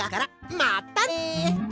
またね。